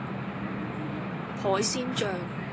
海鮮醬